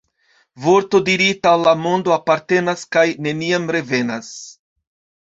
Vorto dirita al la mondo apartenas kaj neniam revenas.